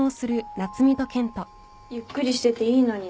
ゆっくりしてていいのに。